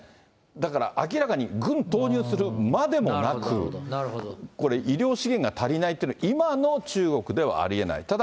だから、軍投入するまでもなく、これ、医療資源が足りないってのは、今の中国ではありえない。